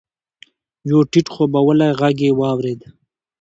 يو ټيټ خوبولی ږغ يې واورېد.